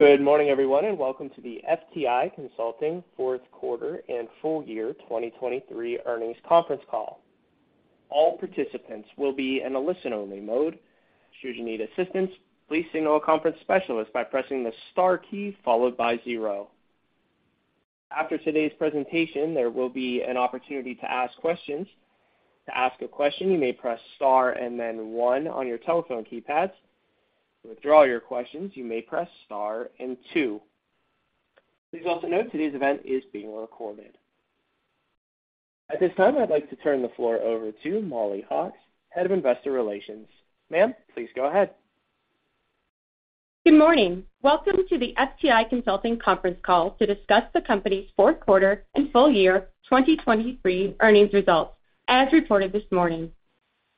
Good morning, everyone, and welcome to the FTI Consulting fourth quarter and full year 2023 earnings conference call. All participants will be in a listen-only mode. Should you need assistance, please signal a conference specialist by pressing the star key followed by zero. After today's presentation, there will be an opportunity to ask questions. To ask a question, you may press star and then one on your telephone keypads. To withdraw your questions, you may press star and two. Please also note today's event is being recorded. At this time, I'd like to turn the floor over to Mollie Hawkes, head of investor relations. Ma'am, please go ahead. Good morning. Welcome to the FTI Consulting conference call to discuss the company's fourth quarter and full year 2023 earnings results as reported this morning.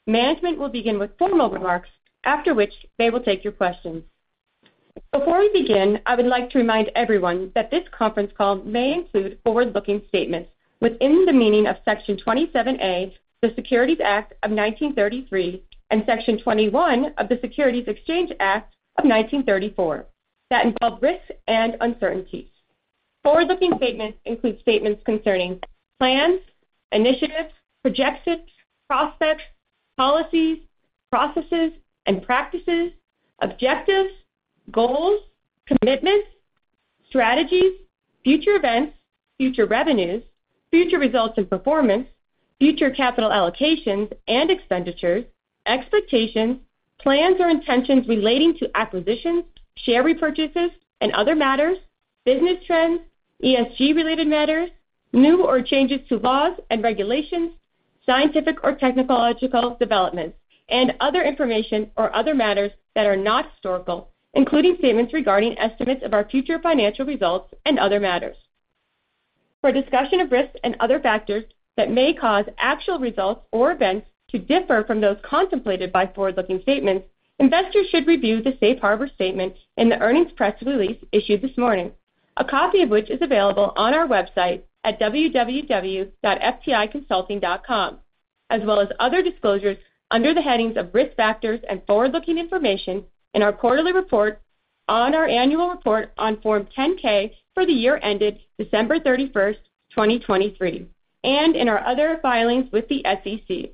Management will begin with formal remarks, after which they will take your questions. Before we begin, I would like to remind everyone that this conference call may include forward-looking statements within the meaning of Section 27A of the Securities Act of 1933 and Section 21 of the Securities Exchange Act of 1934 that involve risks and uncertainties. Forward-looking statements include statements concerning plans, initiatives, projections, prospects, policies, processes, and practices, objectives, goals, commitments, strategies, future events, future revenues, future results and performance, future capital allocations and expenditures, expectations, plans or intentions relating to acquisitions, share repurchases, and other matters, business trends, ESG-related matters, new or changes to laws and regulations, scientific or technological developments, and other information or other matters that are not historical, including statements regarding estimates of our future financial results and other matters. For discussion of risks and other factors that may cause actual results or events to differ from those contemplated by forward-looking statements, investors should review the Safe Harbor statement in the earnings press release issued this morning, a copy of which is available on our website at www.fticonsulting.com, as well as other disclosures under the headings of risk factors and forward-looking information in our quarterly report, on our annual report on Form 10-K for the year ended December 31, 2023, and in our other filings with the SEC.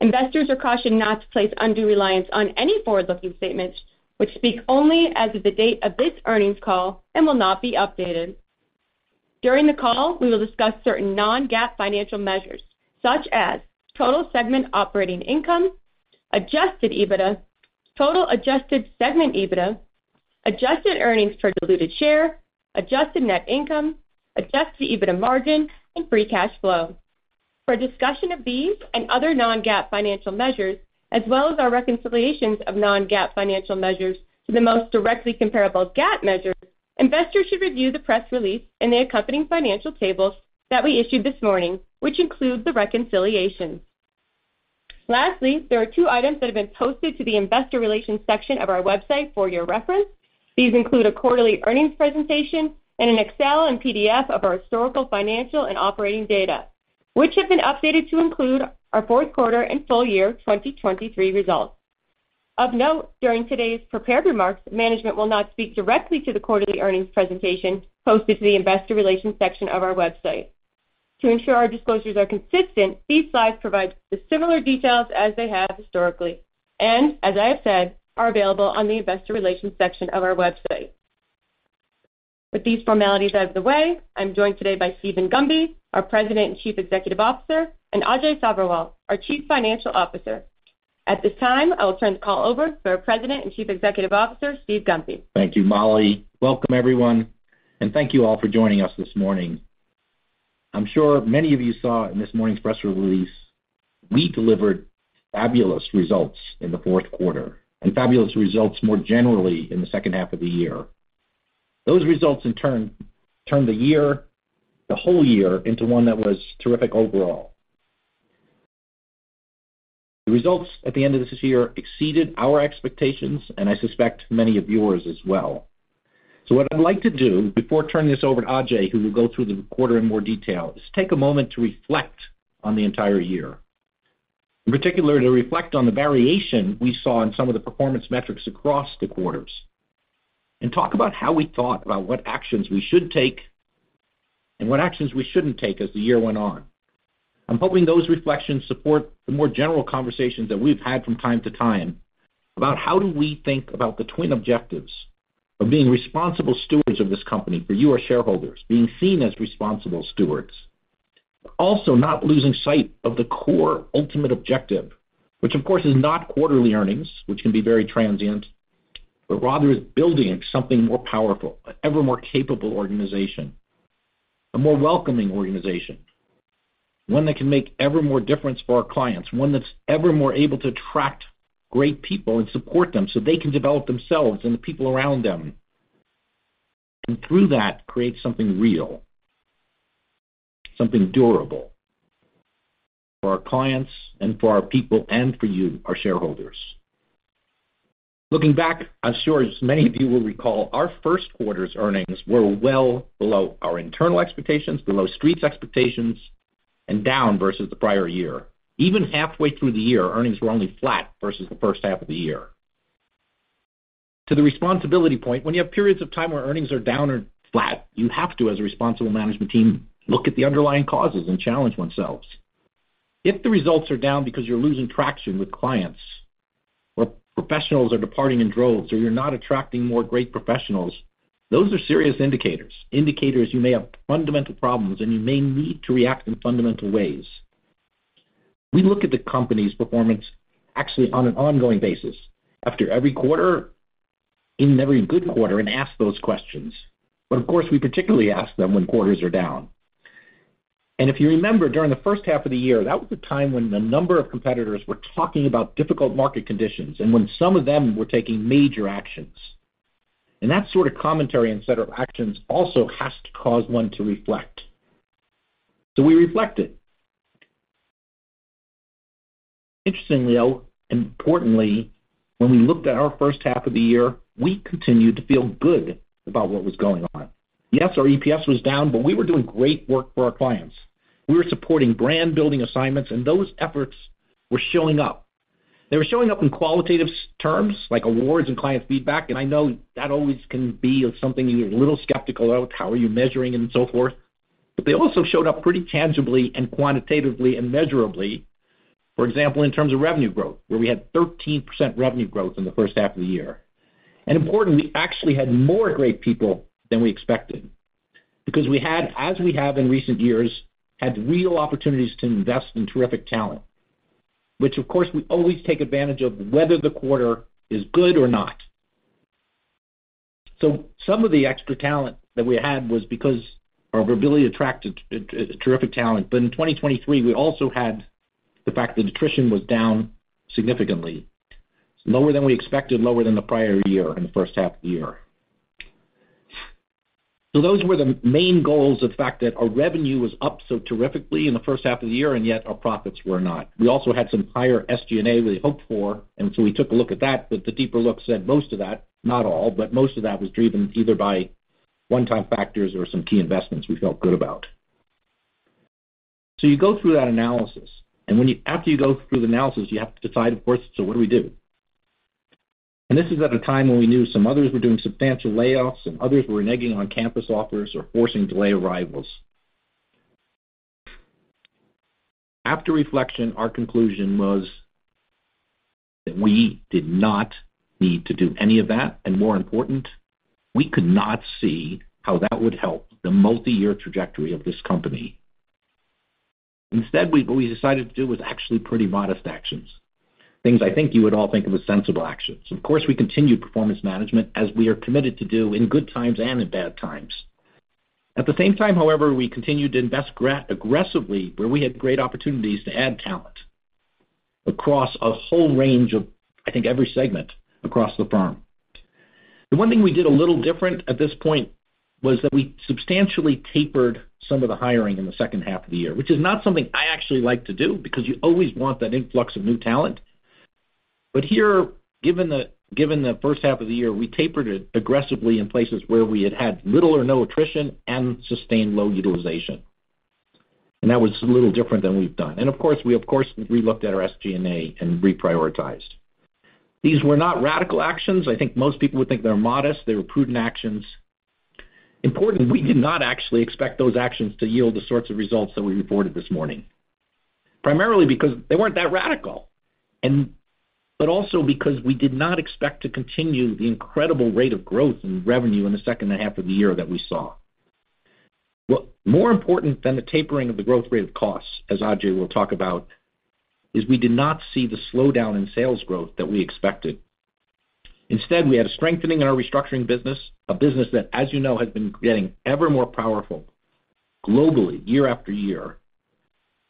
Investors are cautioned not to place undue reliance on any forward-looking statements which speak only as of the date of this earnings call and will not be updated. During the call, we will discuss certain non-GAAP financial measures such as total segment operating income, adjusted EBITDA, total adjusted segment EBITDA, adjusted earnings per diluted share, adjusted net income, adjusted EBITDA margin, and free cash flow. For a discussion of these and other non-GAAP financial measures, as well as our reconciliations of non-GAAP financial measures to the most directly comparable GAAP measures, investors should review the press release and the accompanying financial tables that we issued this morning, which include the reconciliations. Lastly, there are two items that have been posted to the investor relations section of our website for your reference. These include a quarterly earnings presentation and an Excel and PDF of our historical financial and operating data, which have been updated to include our fourth quarter and full year 2023 results. Of note, during today's prepared remarks, management will not speak directly to the quarterly earnings presentation posted to the investor relations section of our website. To ensure our disclosures are consistent, these slides provide the similar details as they have historically and, as I have said, are available on the investor relations section of our website. With these formalities out of the way, I'm joined today by Steven Gunby, our President and Chief Executive Officer, and Ajay Sabherwal, our Chief Financial Officer. At this time, I will turn the call over to our President and Chief Executive Officer, Steve Gunby. Thank you, Mollie. Welcome, everyone, and thank you all for joining us this morning. I'm sure many of you saw in this morning's press release we delivered fabulous results in the fourth quarter and fabulous results more generally in the second half of the year. Those results, in turn, turned the year, the whole year, into one that was terrific overall. The results at the end of this year exceeded our expectations, and I suspect many of yours as well. So what I'd like to do before turning this over to Ajay, who will go through the quarter in more detail, is take a moment to reflect on the entire year, in particular to reflect on the variation we saw in some of the performance metrics across the quarters, and talk about how we thought about what actions we should take and what actions we shouldn't take as the year went on. I'm hoping those reflections support the more general conversations that we've had from time to time about how do we think about the twin objectives of being responsible stewards of this company for you, our shareholders, being seen as responsible stewards, but also not losing sight of the core ultimate objective, which, of course, is not quarterly earnings, which can be very transient, but rather is building something more powerful, an ever more capable organization, a more welcoming organization, one that can make ever more difference for our clients, one that's ever more able to attract great people and support them so they can develop themselves and the people around them, and through that create something real, something durable for our clients and for our people and for you, our shareholders. Looking back, I'm sure as many of you will recall, our first quarter's earnings were well below our internal expectations, below Street's expectations, and down versus the prior year. Even halfway through the year, earnings were only flat versus the first half of the year. To the responsibility point, when you have periods of time where earnings are down or flat, you have to, as a responsible management team, look at the underlying causes and challenge oneself. If the results are down because you're losing traction with clients or professionals are departing in droves or you're not attracting more great professionals, those are serious indicators, indicators you may have fundamental problems, and you may need to react in fundamental ways. We look at the company's performance actually on an ongoing basis after every quarter, in every good quarter, and ask those questions. But, of course, we particularly ask them when quarters are down. And if you remember, during the first half of the year, that was the time when a number of competitors were talking about difficult market conditions and when some of them were taking major actions. And that sort of commentary and set of actions also has to cause one to reflect. So we reflected. Interestingly, though, and importantly, when we looked at our first half of the year, we continued to feel good about what was going on. Yes, our EPS was down, but we were doing great work for our clients. We were supporting brand-building assignments, and those efforts were showing up. They were showing up in qualitative terms like awards and client feedback. And I know that always can be something you're a little skeptical about, how are you measuring and so forth. But they also showed up pretty tangibly and quantitatively and measurably, for example, in terms of revenue growth, where we had 13% revenue growth in the first half of the year. And importantly, we actually had more great people than we expected because we had, as we have in recent years, had real opportunities to invest in terrific talent, which, of course, we always take advantage of whether the quarter is good or not. So some of the extra talent that we had was because of our ability to attract terrific talent. But in 2023, we also had the fact that attrition was down significantly, lower than we expected, lower than the prior year in the first half of the year. So those were the main goals of the fact that our revenue was up so terrifically in the first half of the year, and yet our profits were not. We also had some higher SG&A we hoped for, and so we took a look at that. But the deeper look said most of that, not all, but most of that was driven either by one-time factors or some key investments we felt good about. So you go through that analysis. And after you go through the analysis, you have to decide, of course, so what do we do? And this is at a time when we knew some others were doing substantial layoffs and others were reneging on campus offers or forcing delay arrivals. After reflection, our conclusion was that we did not need to do any of that. And more important, we could not see how that would help the multi-year trajectory of this company. Instead, what we decided to do was actually pretty modest actions, things I think you would all think of as sensible actions. Of course, we continued performance management as we are committed to do in good times and in bad times. At the same time, however, we continued to invest aggressively where we had great opportunities to add talent across a whole range of, I think, every segment across the firm. The one thing we did a little different at this point was that we substantially tapered some of the hiring in the second half of the year, which is not something I actually like to do because you always want that influx of new talent. But here, given the first half of the year, we tapered it aggressively in places where we had had little or no attrition and sustained low utilization. And that was a little different than we've done. And, of course, we, of course, relooked at our SG&A and reprioritized. These were not radical actions. I think most people would think they're modest. They were prudent actions. Important, we did not actually expect those actions to yield the sorts of results that we reported this morning, primarily because they weren't that radical, but also because we did not expect to continue the incredible rate of growth and revenue in the second half of the year that we saw. What's more important than the tapering of the growth rate of costs, as Ajay will talk about, is we did not see the slowdown in sales growth that we expected. Instead, we had a strengthening in our restructuring business, a business that, as you know, has been getting ever more powerful globally year after year.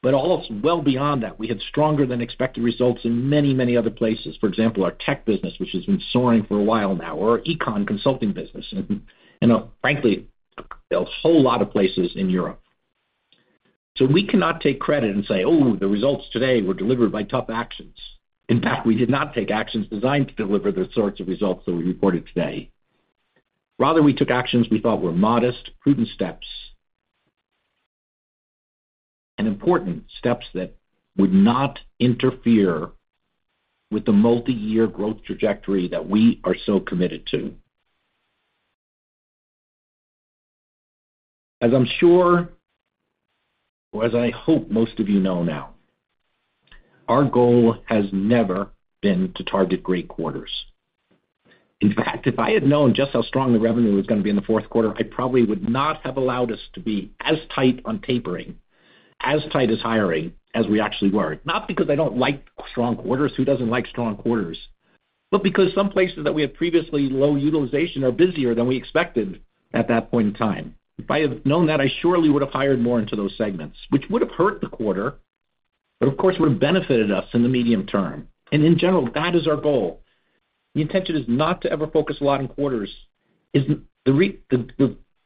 But also well beyond that, we had stronger than expected results in many, many other places, for example, our tech business, which has been soaring for a while now, or our econ consulting business and, frankly, a whole lot of places in Europe. So we cannot take credit and say, "Oh, the results today were delivered by tough actions." In fact, we did not take actions designed to deliver the sorts of results that we reported today. Rather, we took actions we thought were modest, prudent steps and important steps that would not interfere with the multi-year growth trajectory that we are so committed to. As I'm sure or as I hope most of you know now, our goal has never been to target great quarters. In fact, if I had known just how strong the revenue was going to be in the fourth quarter, I probably would not have allowed us to be as tight on tapering, as tight as hiring, as we actually were, not because I don't like strong quarters (who doesn't like strong quarters?) but because some places that we had previously low utilization are busier than we expected at that point in time. If I had known that, I surely would have hired more into those segments, which would have hurt the quarter but, of course, would have benefited us in the medium term. In general, that is our goal. The intention is not to ever focus a lot on quarters. The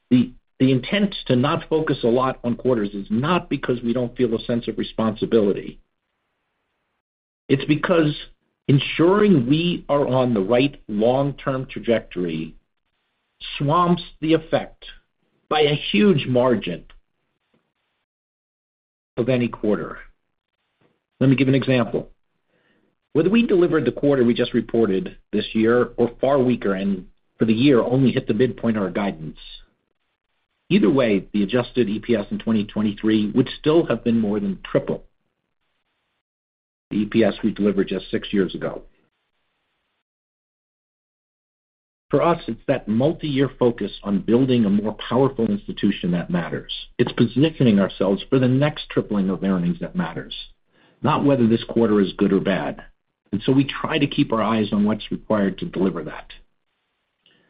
intent to not focus a lot on quarters is not because we don't feel a sense of responsibility. It's because ensuring we are on the right long-term trajectory swamps the effect by a huge margin of any quarter. Let me give an example. Whether we delivered the quarter we just reported this year or far weaker and for the year only hit the midpoint of our guidance, either way, the Adjusted EPS in 2023 would still have been more than triple the EPS we delivered just six years ago. For us, it's that multi-year focus on building a more powerful institution that matters. It's positioning ourselves for the next tripling of earnings that matters, not whether this quarter is good or bad. We try to keep our eyes on what's required to deliver that,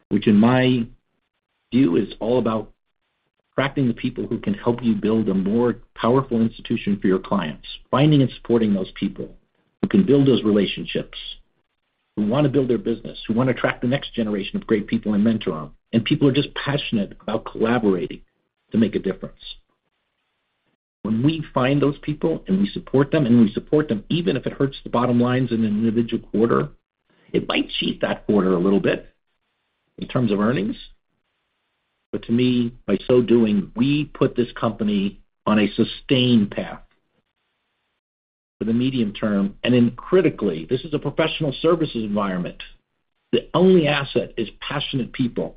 which, in my view, is all about attracting the people who can help you build a more powerful institution for your clients, finding and supporting those people who can build those relationships, who want to build their business, who want to attract the next generation of great people and mentoring, and people who are just passionate about collaborating to make a difference. When we find those people and we support them and we support them even if it hurts the bottom lines in an individual quarter, it might cheat that quarter a little bit in terms of earnings. To me, by so doing, we put this company on a sustained path for the medium term. Critically, this is a professional services environment. The only asset is passionate people.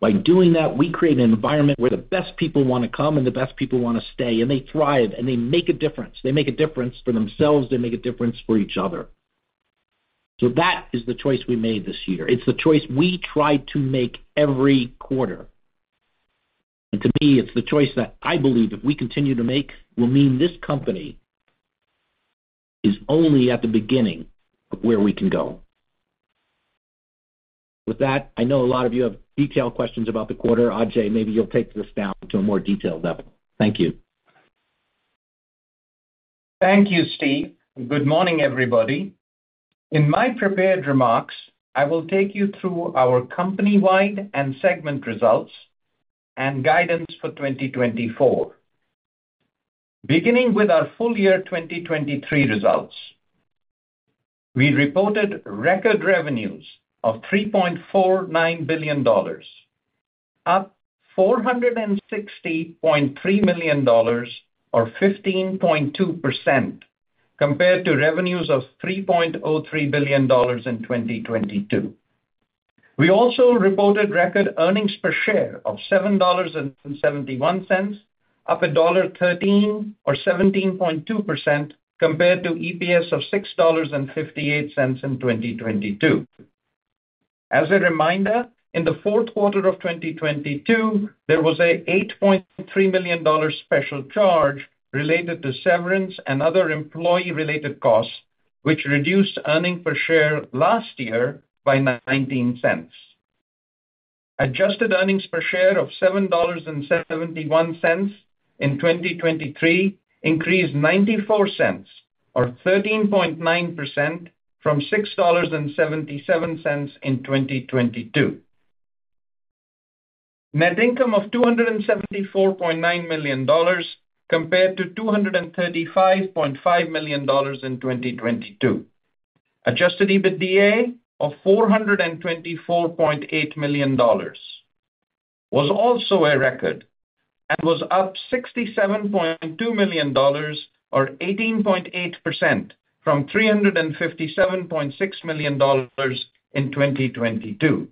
By doing that, we create an environment where the best people want to come and the best people want to stay, and they thrive, and they make a difference. They make a difference for themselves. They make a difference for each other. So that is the choice we made this year. It's the choice we tried to make every quarter. And to me, it's the choice that I believe if we continue to make will mean this company is only at the beginning of where we can go. With that, I know a lot of you have detailed questions about the quarter. Ajay, maybe you'll take this down to a more detailed level. Thank you. Thank you, Steve. Good morning, everybody. In my prepared remarks, I will take you through our company-wide and segment results and guidance for 2024. Beginning with our full-year 2023 results, we reported record revenues of $3.49 billion, up $460.3 million or 15.2% compared to revenues of $3.03 billion in 2022. We also reported record earnings per share of $7.71, up $1.13 or 17.2% compared to EPS of $6.58 in 2022. As a reminder, in the fourth quarter of 2022, there was a $8.3 million special charge related to severance and other employee-related costs, which reduced earnings per share last year by $0.19. Adjusted earnings per share of $7.71 in 2023 increased $0.94 or 13.9% from $6.77 in 2022, net income of $274.9 million compared to $235.5 million in 2022, Adjusted EBITDA of $424.8 million was also a record and was up $67.2 million or 18.8% from $357.6 million in 2022.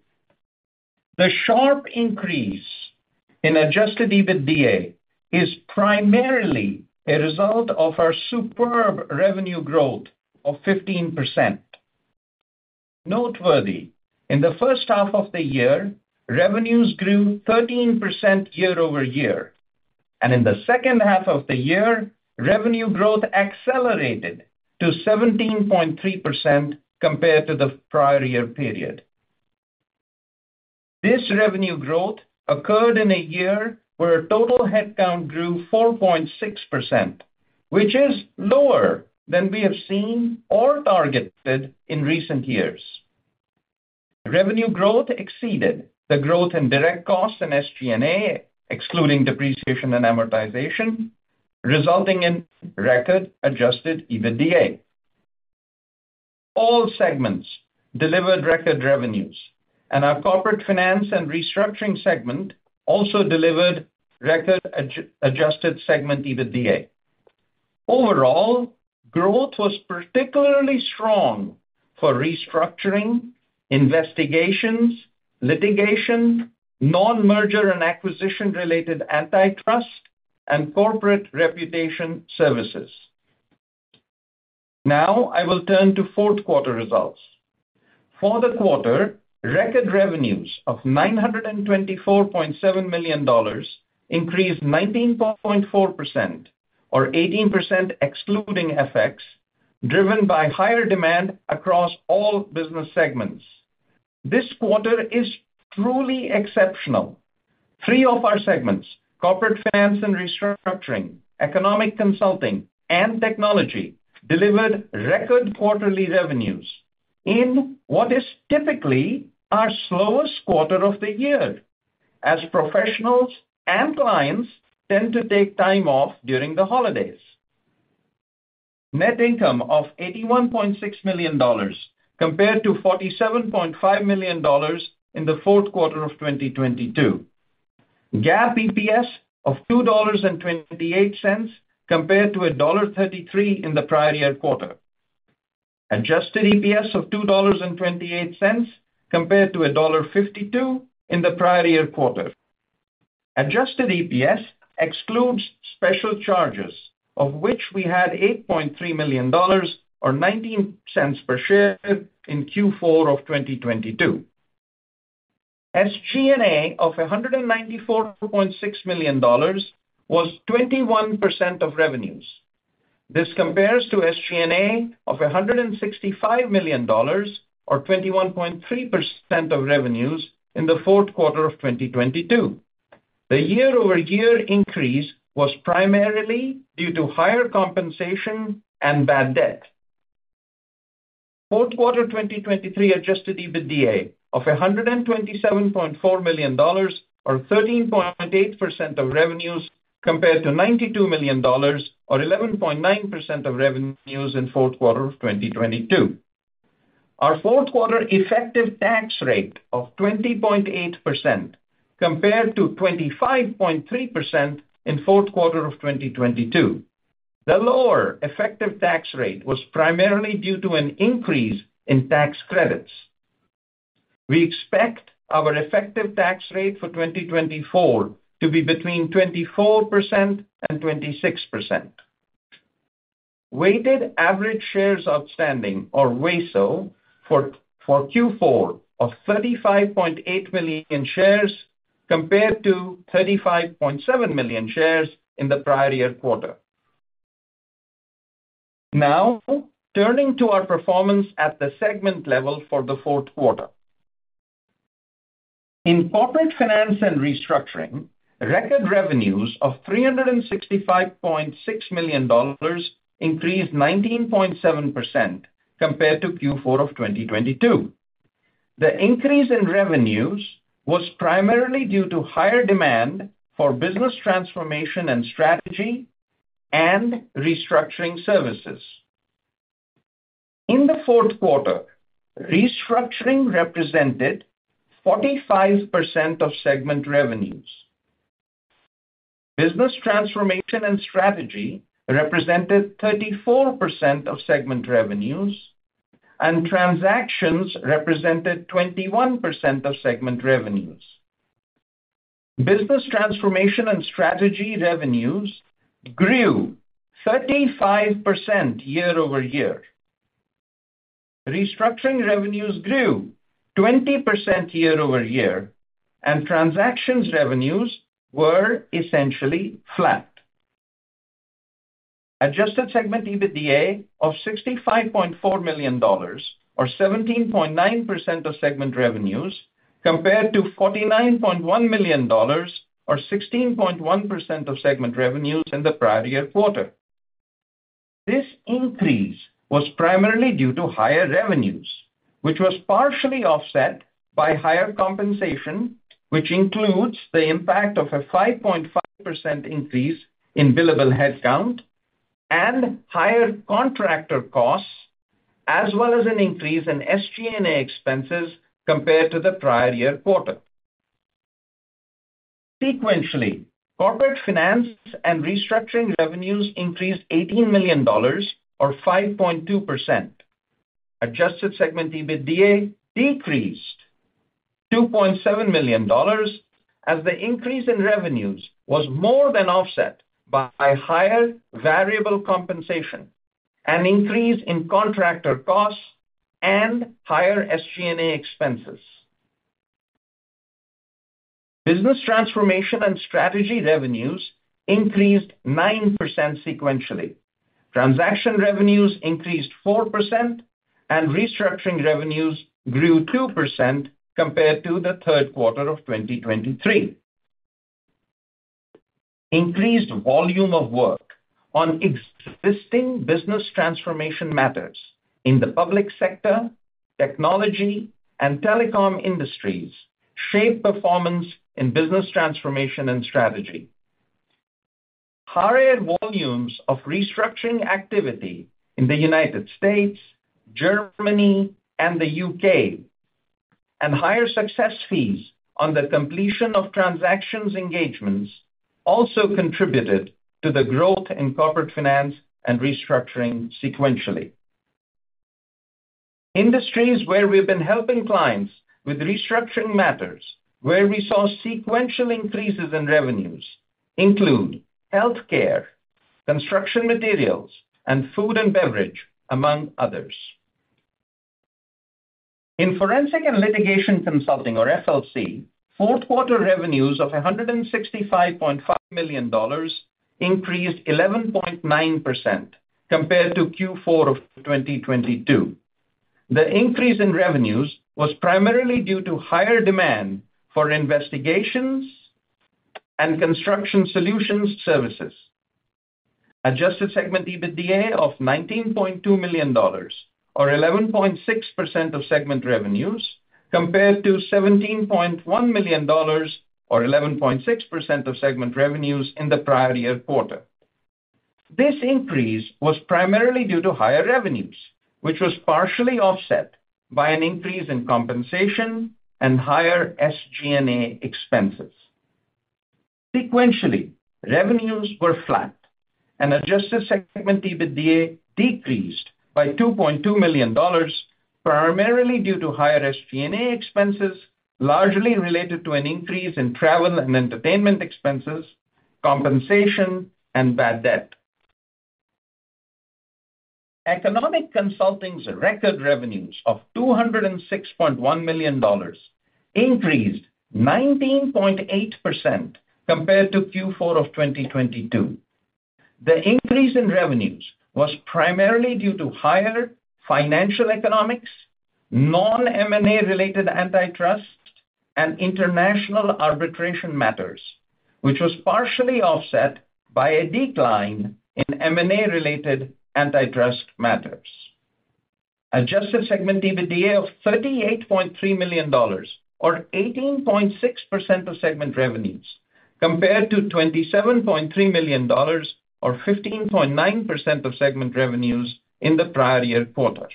The sharp increase in Adjusted EBITDA is primarily a result of our superb revenue growth of 15%. Noteworthy, in the first half of the year, revenues grew 13% year-over-year. In the second half of the year, revenue growth accelerated to 17.3% compared to the prior year period. This revenue growth occurred in a year where total headcount grew 4.6%, which is lower than we have seen or targeted in recent years. Revenue growth exceeded the growth in direct costs and SG&A, excluding depreciation and amortization, resulting in record Adjusted EBITDA. All segments delivered record revenues. Our Corporate Finance and Restructuring segment also delivered record Adjusted segment EBITDA. Overall, growth was particularly strong for restructuring, investigations, litigation, non-merger and acquisition-related antitrust, and corporate reputation services. Now, I will turn to fourth quarter results. For the quarter, record revenues of $924.7 million increased 19.4% or 18% excluding FX, driven by higher demand across all business segments. This quarter is truly exceptional. Three of our segments, Corporate Finance and Restructuring, Economic Consulting, and Technology, delivered record quarterly revenues in what is typically our slowest quarter of the year as professionals and clients tend to take time off during the holidays. Net income of $81.6 million compared to $47.5 million in the fourth quarter of 2022. GAAP EPS of $2.28 compared to $1.33 in the prior year quarter. Adjusted EPS of $2.28 compared to $1.52 in the prior year quarter. Adjusted EPS excludes special charges, of which we had $8.3 million or $0.19 per share in Q4 of 2022. SG&A of $194.6 million was 21% of revenues. This compares to SG&A of $165 million or 21.3% of revenues in the fourth quarter of 2022. The year-over-year increase was primarily due to higher compensation and bad debt. Fourth quarter 2023 Adjusted EBITDA of $127.4 million or 13.8% of revenues compared to $92 million or 11.9% of revenues in fourth quarter of 2022. Our fourth quarter effective tax rate of 20.8% compared to 25.3% in fourth quarter of 2022. The lower effective tax rate was primarily due to an increase in tax credits. We expect our effective tax rate for 2024 to be between 24% and 26%. Weighted average shares outstanding or WASO for Q4 of 35.8 million shares compared to 35.7 million shares in the prior year quarter. Now, turning to our performance at the segment level for the fourth quarter. In Corporate Finance and Restructuring, record revenues of $365.6 million increased 19.7% compared to Q4 of 2022. The increase in revenues was primarily due to higher demand for business transformation and strategy and restructuring services. In the fourth quarter, restructuring represented 45% of segment revenues. Business transformation and strategy represented 34% of segment revenues. Transactions represented 21% of segment revenues. Business transformation and strategy revenues grew 35% year-over-year. Restructuring revenues grew 20% year-over-year. Transactions revenues were essentially flat. Adjusted segment EBITDA of $65.4 million or 17.9% of segment revenues compared to $49.1 million or 16.1% of segment revenues in the prior year quarter. This increase was primarily due to higher revenues, which was partially offset by higher compensation, which includes the impact of a 5.5% increase in billable headcount and higher contractor costs, as well as an increase in SG&A expenses compared to the prior year quarter. Sequentially, Corporate Finance and Restructuring revenues increased $18 million or 5.2%. Adjusted segment EBITDA decreased $2.7 million as the increase in revenues was more than offset by higher variable compensation, an increase in contractor costs, and higher SG&A expenses. Business transformation and strategy revenues increased 9% sequentially. Transaction revenues increased 4%. Restructuring revenues grew 2% compared to the third quarter of 2023. Increased volume of work on existing business transformation matters in the public sector, Technology, and telecom industries shape performance in business transformation and strategy. Higher volumes of restructuring activity in the United States, Germany, and the U.K., and higher success fees on the completion of transactions engagements also contributed to the growth in Corporate Finance and Restructuring sequentially. Industries where we've been helping clients with restructuring matters, where we saw sequential increases in revenues, include healthcare, construction materials, and food and beverage, among others. In Forensic and Litigation Consulting or FLC, fourth quarter revenues of $165.5 million increased 11.9% compared to Q4 of 2022. The increase in revenues was primarily due to higher demand for investigations and construction solutions services. Adjusted segment EBITDA of $19.2 million or 11.6% of segment revenues compared to $17.1 million or 11.6% of segment revenues in the prior year quarter. This increase was primarily due to higher revenues, which was partially offset by an increase in compensation and higher SG&A expenses. Sequentially, revenues were flat. Adjusted segment EBITDA decreased by $2.2 million, primarily due to higher SG&A expenses, largely related to an increase in travel and entertainment expenses, compensation, and bad debt. Economic Consulting's record revenues of $206.1 million increased 19.8% compared to Q4 of 2022. The increase in revenues was primarily due to higher financial economics, non-M&A-related antitrust, and international arbitration matters, which was partially offset by a decline in M&A-related antitrust matters. Adjusted segment EBITDA of $38.3 million or 18.6% of segment revenues compared to $27.3 million or 15.9% of segment revenues in the prior year quarter.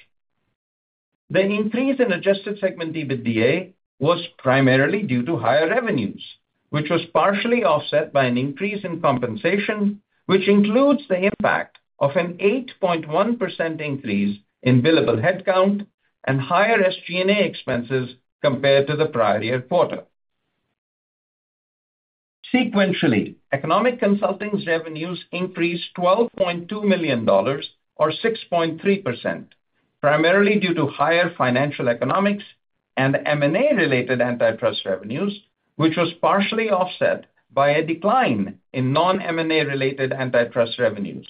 The increase in adjusted segment EBITDA was primarily due to higher revenues, which was partially offset by an increase in compensation, which includes the impact of an 8.1% increase in billable headcount and higher SG&A expenses compared to the prior year quarter. Sequentially, Economic Consulting's revenues increased $12.2 million or 6.3%, primarily due to higher financial economics and M&A-related antitrust revenues, which was partially offset by a decline in non-M&A-related antitrust revenues.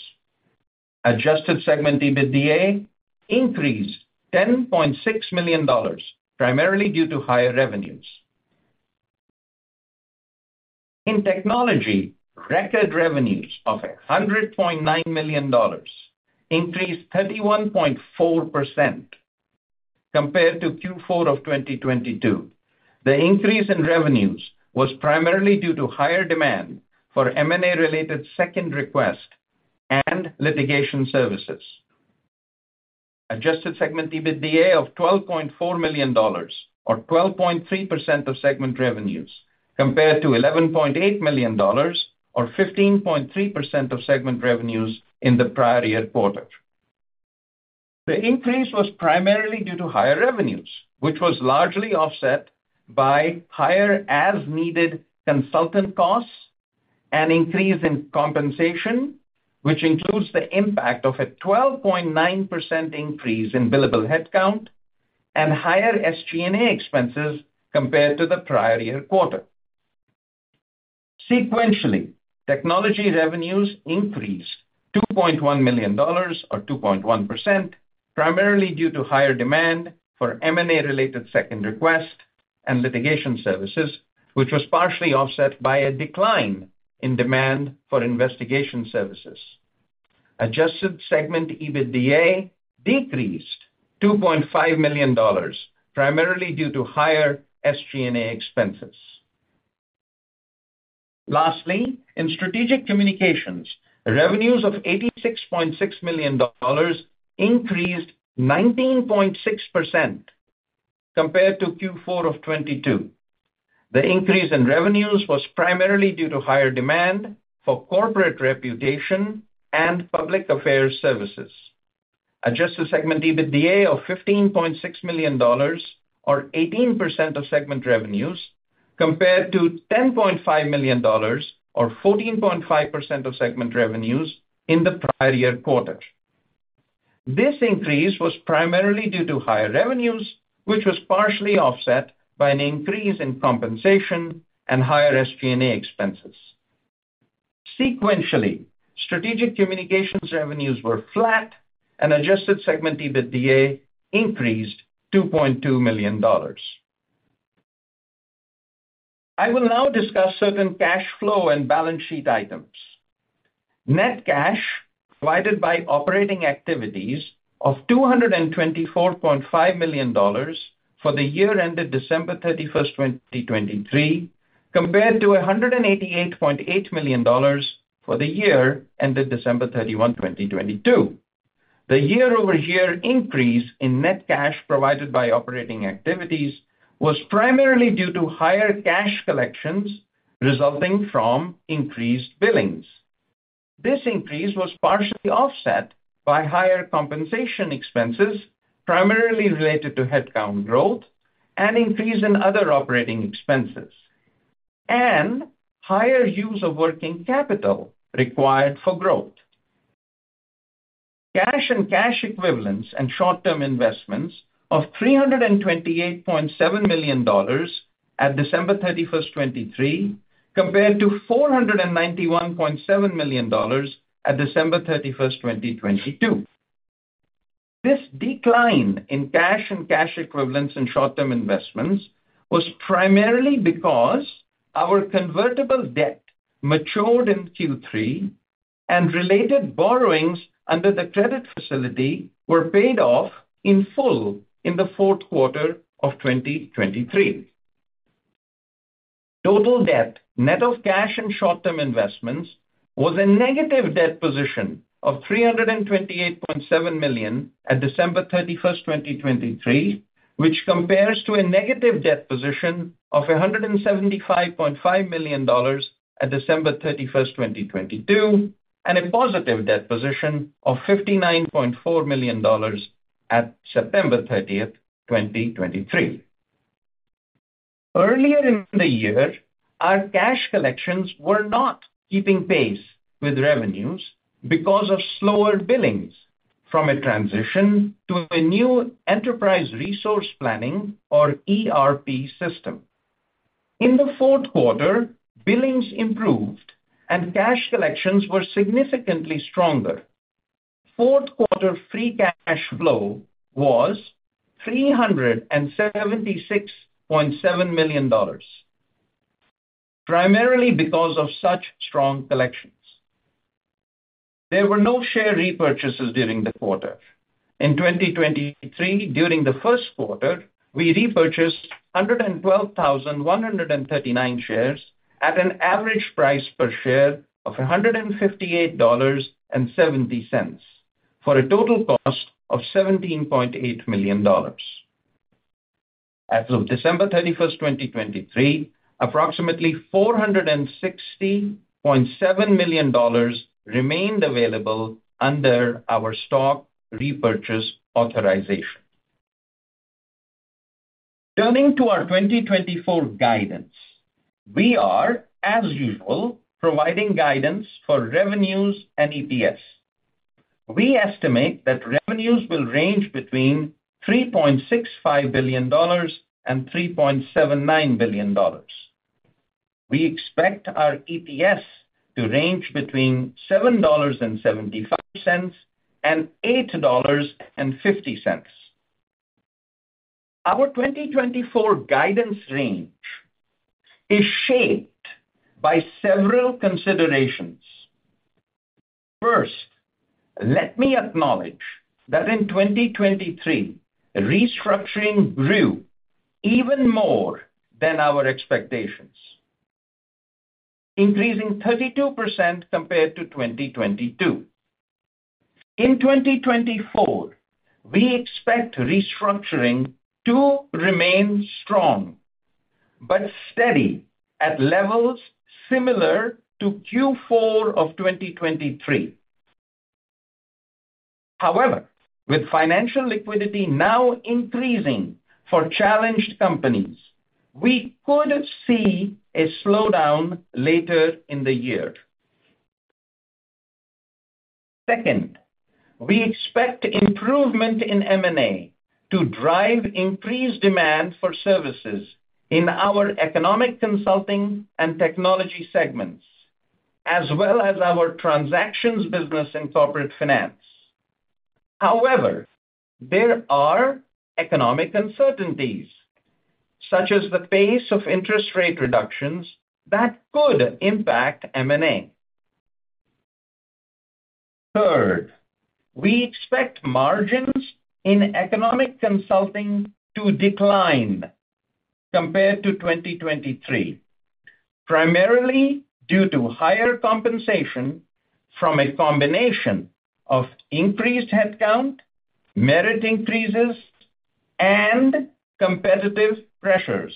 Adjusted segment EBITDA increased $10.6 million, primarily due to higher revenues. In Technology, record revenues of $100.9 million increased 31.4% compared to Q4 of 2022. The increase in revenues was primarily due to higher demand for M&A-related Second Request and litigation services. Adjusted segment EBITDA of $12.4 million or 12.3% of segment revenues compared to $11.8 million or 15.3% of segment revenues in the prior year quarter. The increase was primarily due to higher revenues, which was largely offset by higher as-needed consultant costs and increase in compensation, which includes the impact of a 12.9% increase in billable headcount and higher SG&A expenses compared to the prior year quarter. Sequentially, Technology revenues increased $2.1 million or 2.1%, primarily due to higher demand for M&A-related Second Request and litigation services, which was partially offset by a decline in demand for investigation services. Adjusted segment EBITDA decreased $2.5 million, primarily due to higher SG&A expenses. Lastly, in Strategic Communications, revenues of $86.6 million increased 19.6% compared to Q4 of 2022. The increase in revenues was primarily due to higher demand for corporate reputation and public affairs services. Adjusted segment EBITDA of $15.6 million or 18% of segment revenues compared to $10.5 million or 14.5% of segment revenues in the prior year quarter. This increase was primarily due to higher revenues, which was partially offset by an increase in compensation and higher SG&A expenses. Sequentially, Strategic Communications revenues were flat. Adjusted segment EBITDA increased $2.2 million. I will now discuss certain cash flow and balance sheet items. Net cash provided by operating activities of $224.5 million for the year ended December 31, 2023, compared to $188.8 million for the year ended December 31st, 2022. The year-over-year increase in net cash provided by operating activities was primarily due to higher cash collections resulting from increased billings. This increase was partially offset by higher compensation expenses, primarily related to headcount growth and increase in other operating expenses, and higher use of working capital required for growth. Cash and cash equivalents and short-term investments of $328.7 million at December 31, 2023, compared to $491.7 million at December 31st, 2022. This decline in cash and cash equivalents and short-term investments was primarily because our convertible debt matured in Q3, and related borrowings under the credit facility were paid off in full in the fourth quarter of 2023. Total debt net of cash and short-term investments was a negative debt position of $328.7 million at December 31, 2023, which compares to a negative debt position of $175.5 million at December 31st, 2022, and a positive debt position of $59.4 million at September 30, 2023. Earlier in the year, our cash collections were not keeping pace with revenues because of slower billings from a transition to a new enterprise resource planning or ERP system. In the fourth quarter, billings improved, and cash collections were significantly stronger. Fourth quarter free cash flow was $376.7 million, primarily because of such strong collections. There were no share repurchases during the quarter. In 2023, during the first quarter, we repurchased 112,139 shares at an average price per share of $158.70 for a total cost of $17.8 million. As of December 31, 2023, approximately $460.7 million remained available under our stock repurchase authorization. Turning to our 2024 guidance, we are, as usual, providing guidance for revenues and EPS. We estimate that revenues will range between $3.65 billion-$3.79 billion. We expect our EPS to range between $7.75-$8.50. Our 2024 guidance range is shaped by several considerations. First, let me acknowledge that in 2023, restructuring grew even more than our expectations, increasing 32% compared to 2022. In 2024, we expect restructuring to remain strong but steady at levels similar to Q4 of 2023. However, with financial liquidity now increasing for challenged companies, we could see a slowdown later in the year. Second, we expect improvement in M&A to drive increased demand for services in our Economic Consulting and Technology segments, as well as our transactions business and corporate finance. However, there are economic uncertainties, such as the pace of interest rate reductions, that could impact M&A. Third, we expect margins in Economic Consulting to decline compared to 2023, primarily due to higher compensation from a combination of increased headcount, merit increases, and competitive pressures.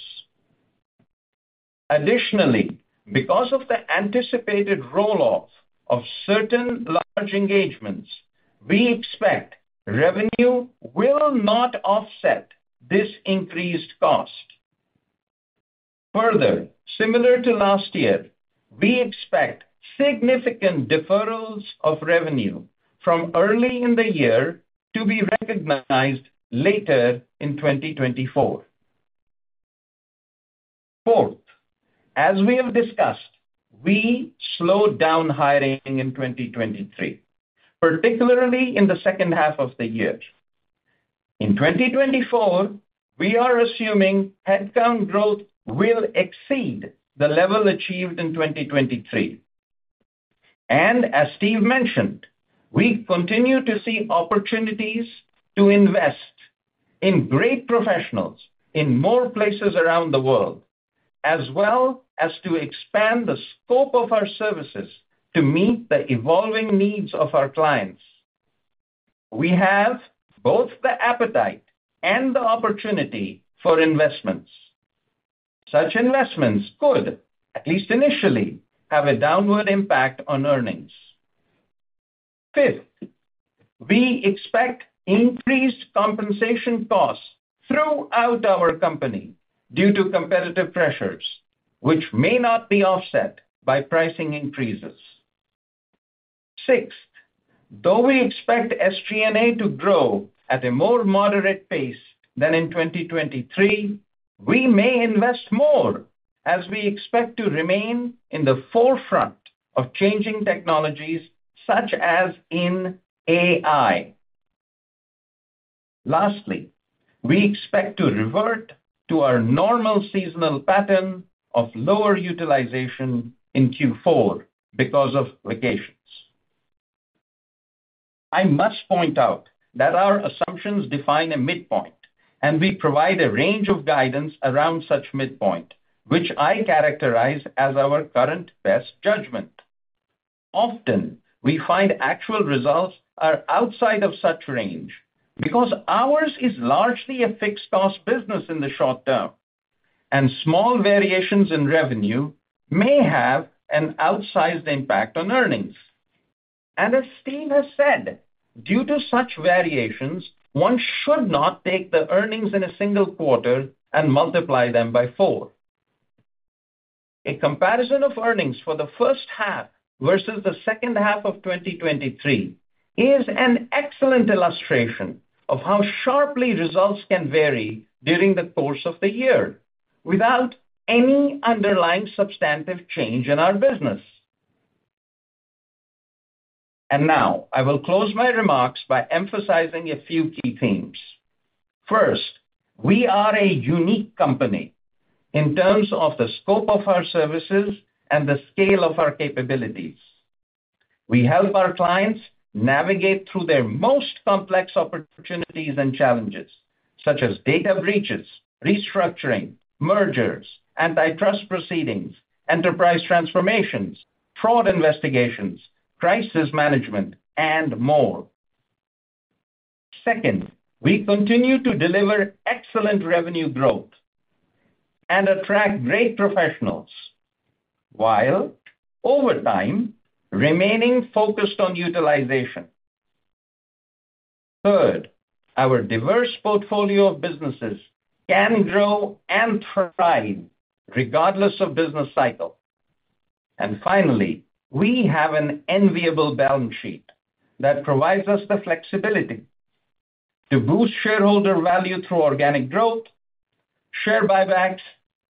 Additionally, because of the anticipated roll-off of certain large engagements, we expect revenue will not offset this increased cost. Further, similar to last year, we expect significant deferrals of revenue from early in the year to be recognized later in 2024. Fourth, as we have discussed, we slowed down hiring in 2023, particularly in the second half of the year. In 2024, we are assuming headcount growth will exceed the level achieved in 2023. As Steve mentioned, we continue to see opportunities to invest in great professionals in more places around the world, as well as to expand the scope of our services to meet the evolving needs of our clients. We have both the appetite and the opportunity for investments. Such investments could, at least initially, have a downward impact on earnings. Fifth, we expect increased compensation costs throughout our company due to competitive pressures, which may not be offset by pricing increases. Sixth, though we expect SG&A to grow at a more moderate pace than in 2023, we may invest more, as we expect to remain in the forefront of changing technologies, such as in AI. Lastly, we expect to revert to our normal seasonal pattern of lower utilization in Q4 because of vacations. I must point out that our assumptions define a midpoint, and we provide a range of guidance around such midpoint, which I characterize as our current best judgment. Often, we find actual results are outside of such range because ours is largely a fixed-cost business in the short term, and small variations in revenue may have an outsized impact on earnings. As Steve has said, due to such variations, one should not take the earnings in a single quarter and multiply them by four. A comparison of earnings for the first half versus the second half of 2023 is an excellent illustration of how sharply results can vary during the course of the year without any underlying substantive change in our business. Now, I will close my remarks by emphasizing a few key themes. First, we are a unique company in terms of the scope of our services and the scale of our capabilities. We help our clients navigate through their most complex opportunities and challenges, such as data breaches, restructuring, mergers, antitrust proceedings, enterprise transformations, fraud investigations, crisis management, and more. Second, we continue to deliver excellent revenue growth and attract great professionals while, over time, remaining focused on utilization. Third, our diverse portfolio of businesses can grow and thrive regardless of business cycle. And finally, we have an enviable balance sheet that provides us the flexibility to boost shareholder value through organic growth, share buybacks,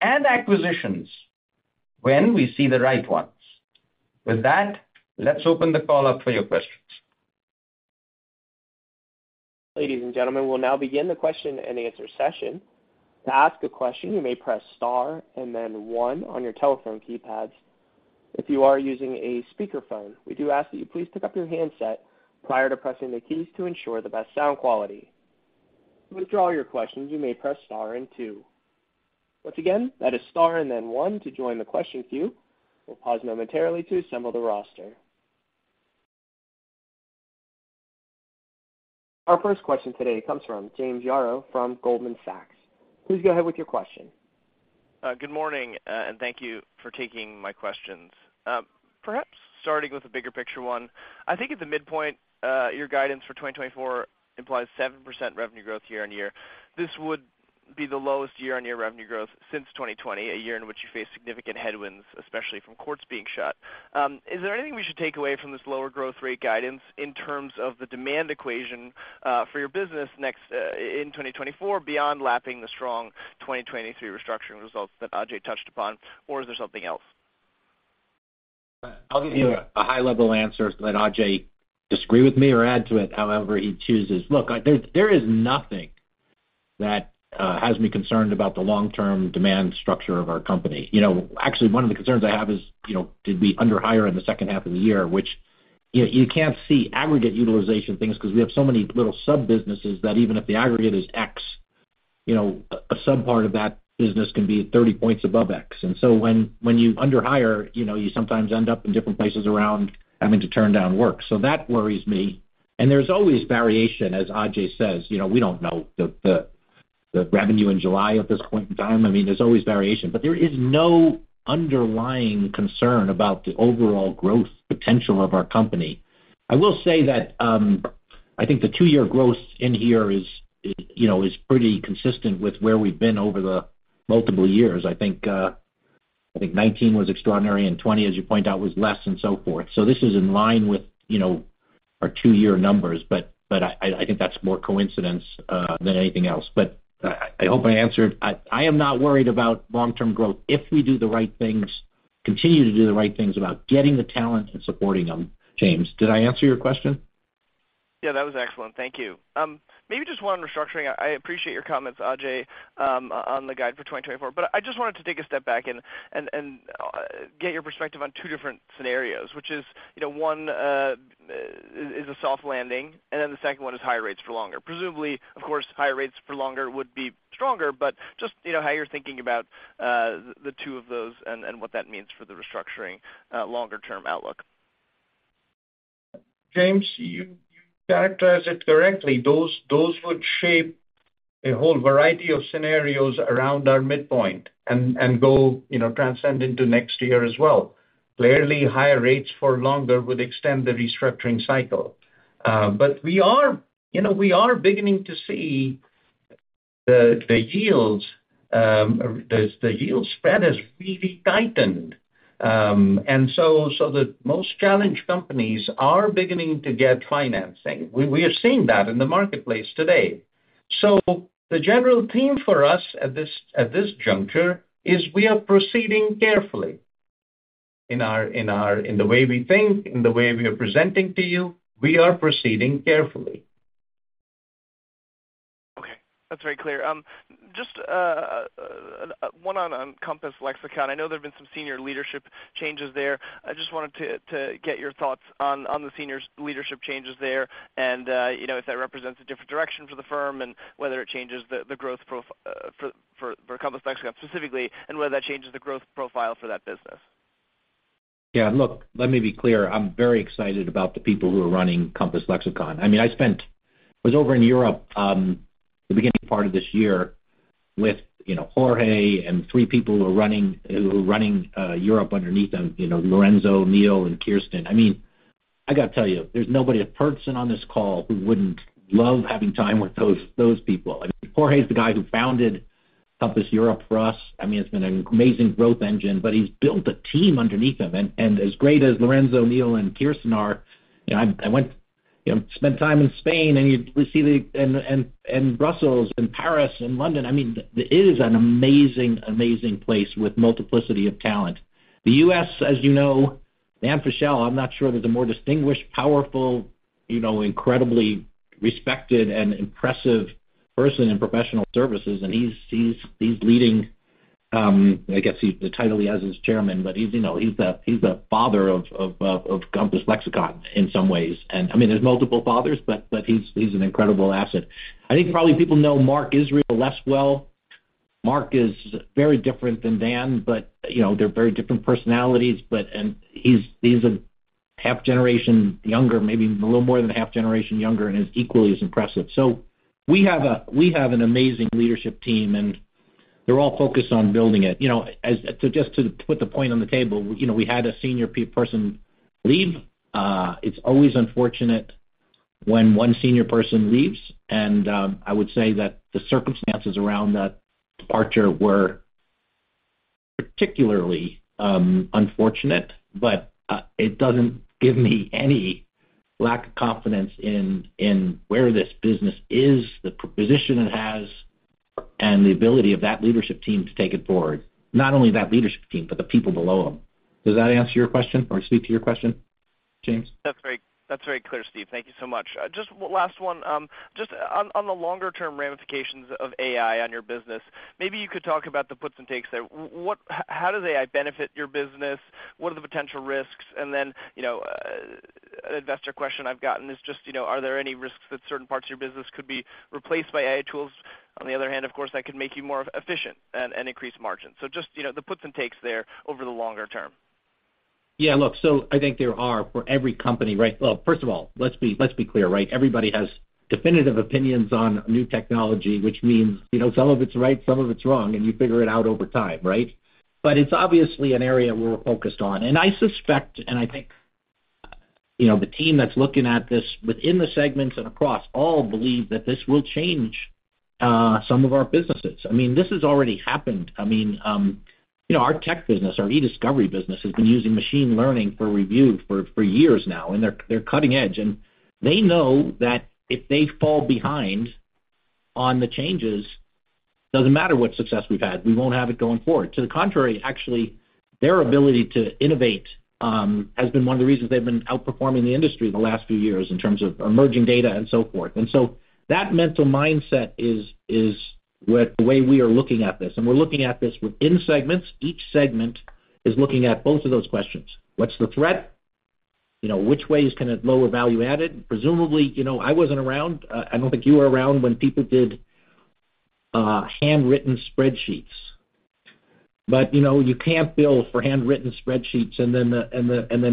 and acquisitions when we see the right ones. With that, let's open the call up for your questions. Ladies and gentlemen, we'll now begin the question and answer session. To ask a question, you may press star and then one on your telephone keypads. If you are using a speakerphone, we do ask that you please pick up your handset prior to pressing the keys to ensure the best sound quality. To withdraw your questions, you may press star and two. Once again, that is star and then 1 to join the question queue. We'll pause momentarily to assemble the roster. Our first question today comes from James Yaro from Goldman Sachs. Please go ahead with your question. Good morning, and thank you for taking my questions. Perhaps starting with a bigger picture one, I think at the midpoint, your guidance for 2024 implies 7% revenue growth year-on-year. This would be the lowest year-on-year revenue growth since 2020, a year in which you faced significant headwinds, especially from courts being shut. Is there anything we should take away from this lower growth rate guidance in terms of the demand equation for your business in 2024 beyond lapping the strong 2023 restructuring results that Ajay touched upon, or is there something else? I'll give you a high-level answer, and then Ajay disagree with me or add to it however he chooses. Look, there is nothing that has me concerned about the long-term demand structure of our company. Actually, one of the concerns I have is, did we underhire in the second half of the year? You can't see aggregate utilization things because we have so many little sub-businesses that even if the aggregate is X, a sub-part of that business can be 30 points above X. And so when you underhire, you sometimes end up in different places around having to turn down work. So that worries me. And there's always variation, as Ajay says. We don't know the revenue in July at this point in time. I mean, there's always variation. But there is no underlying concern about the overall growth potential of our company. I will say that I think the two-year growth in here is pretty consistent with where we've been over the multiple years. I think 2019 was extraordinary, and 2020, as you point out, was less and so forth. So this is in line with our two-year numbers, but I think that's more coincidence than anything else. But I hope I answered. I am not worried about long-term growth if we do the right things, continue to do the right things about getting the talent and supporting them, James. Did I answer your question? Yeah, that was excellent. Thank you. Maybe just one on restructuring. I appreciate your comments, Ajay, on the guide for 2024. I just wanted to take a step back and get your perspective on two different scenarios, which is one is a soft landing, and then the second one is higher rates for longer. Presumably, of course, higher rates for longer would be stronger, but just how you're thinking about the two of those and what that means for the restructuring longer-term outlook? James, you characterized it correctly. Those would shape a whole variety of scenarios around our midpoint and extend into next year as well. Clearly, higher rates for longer would extend the restructuring cycle. But we are beginning to see the yield spread has really tightened. And so the most challenged companies are beginning to get financing. We are seeing that in the marketplace today. So the general theme for us at this juncture is we are proceeding carefully in the way we think, in the way we are presenting to you. We are proceeding carefully. Okay. That's very clear. Just one on Compass Lexecon. I know there have been some senior leadership changes there. I just wanted to get your thoughts on the senior leadership changes there and if that represents a different direction for the firm and whether it changes the growth for Compass Lexecon specifically and whether that changes the growth profile for that business. Yeah. Look, let me be clear. I'm very excited about the people who are running Compass Lexecon. I mean, I was over in Europe the beginning part of this year with Jorge and three people who are running Europe underneath them: Lorenzo, Neil, and Kirsten. I mean, I got to tell you, there's nobody at FTI on this call who wouldn't love having time with those people. I mean, Jorge is the guy who founded Compass Europe for us. I mean, it's been an amazing growth engine, but he's built a team underneath him. And as great as Lorenzo, Neil, and Kirsten are, I spent time in Spain, and you see the and Brussels and Paris and London. I mean, it is an amazing, amazing place with multiplicity of talent. The U.S., as you know, Dan Fischel, I'm not sure there's a more distinguished, powerful, incredibly respected, and impressive person in professional services. And he's leading I guess the title he has is chairman, but he's the father of Compass Lexecon in some ways. And I mean, there's multiple fathers, but he's an incredible asset. I think probably people know Mark Israel less well. Mark is very different than Dan, but they're very different personalities. And he's a half-generation younger, maybe a little more than a half-generation younger, and he's equally as impressive. So we have an amazing leadership team, and they're all focused on building it. So just to put the point on the table, we had a senior person leave. It's always unfortunate when one senior person leaves. I would say that the circumstances around that departure were particularly unfortunate, but it doesn't give me any lack of confidence in where this business is, the position it has, and the ability of that leadership team to take it forward, not only that leadership team, but the people below them. Does that answer your question or speak to your question, James? That's very clear, Steve. Thank you so much. Just last one. Just on the longer-term ramifications of AI on your business, maybe you could talk about the puts and takes there. How does AI benefit your business? What are the potential risks? And then an investor question I've gotten is just, are there any risks that certain parts of your business could be replaced by AI tools? On the other hand, of course, that could make you more efficient and increase margins. So just the puts and takes there over the longer term. Yeah. Look, so I think there are for every company, right? Well, first of all, let's be clear, right? Everybody has definitive opinions on new Technology, which means some of it's right, some of it's wrong, and you figure it out over time, right? But it's obviously an area we're focused on. And I suspect, and I think the team that's looking at this within the segments and across all believe that this will change some of our businesses. I mean, this has already happened. I mean, our tech business, our E-discovery business, has been using machine learning for review for years now, and they're cutting edge. And they know that if they fall behind on the changes, it doesn't matter what success we've had. We won't have it going forward. To the contrary, actually, their ability to innovate has been one of the reasons they've been outperforming the industry the last few years in terms of emerging data and so forth. And so that mental mindset is the way we are looking at this. And we're looking at this within segments. Each segment is looking at both of those questions. What's the threat? Which ways can it lower value added? Presumably, I wasn't around. I don't think you were around when people did handwritten spreadsheets. But you can't bill for handwritten spreadsheets and then a